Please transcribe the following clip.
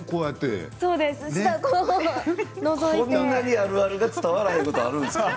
こんなにあるあるが伝わらないことあるんですか？